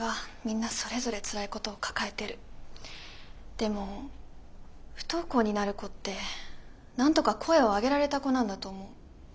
でも不登校になる子ってなんとか声を上げられた子なんだと思う。